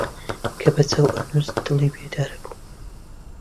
کە بە چاو ئەنووست دڵی بێدار بوو